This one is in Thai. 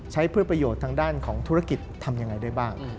ใช้เพื่อประโยชน์ทางด้านของธุรกิจทำยังไงได้บ้าง